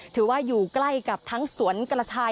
อยู่ใกล้กับทั้งสวนกระชาย